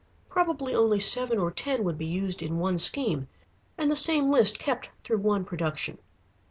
Probably only seven or ten would be used in one scheme and the same list kept through one production.